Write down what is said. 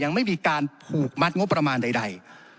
ยังไม่มีการผูกมัดงบประมาณใด